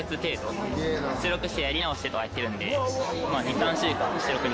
出力してやり直してやってるんで。